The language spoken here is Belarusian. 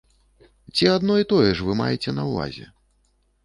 Ці адно і тое ж вы маеце на ўвазе?